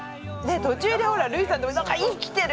途中でほら類さんと「何か生きてる！」